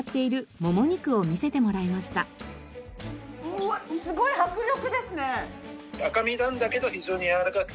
うわっすごい迫力ですね！